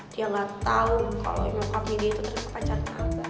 dia gak tau kalo emang kami dia itu ternyata pacarnya abah